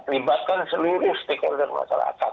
terlibatkan seluruh stakeholder masyarakat